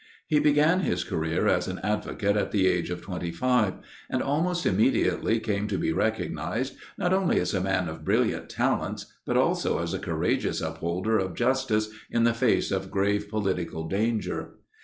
He began his career as an advocate at the age of twenty five, and almost immediately came to be recognized not only as a man of brilliant talents but also as a courageous upholder of justice in the face of grave political danger.